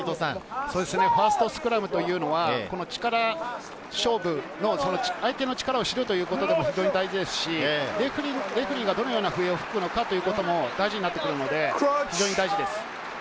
ファーストスクラムは力勝負の、相手の力を知るということでも大事ですし、レフェリーがどのような笛を吹くかということも大事になってきます。